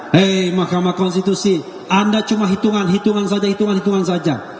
hei mk anda cuma hitungan hitungan saja hitungan saja